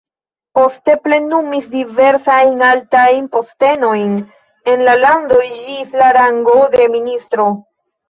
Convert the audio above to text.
Poste plenumis diversajn altajn postenojn en la lando ĝis la rango de ministro.